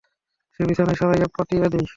সে বিছানা সরাইয়া পাতিয়া দেয়।